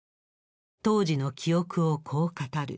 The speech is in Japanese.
当時の記憶をこう語る。